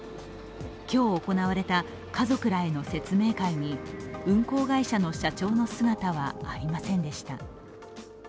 今日行われた家族らへの説明会に運航会社の社長の姿はありませんでした。